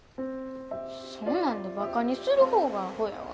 そんなんでバカにする方がアホやわ。